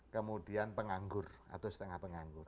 kemudian penganggur atau setengah penganggur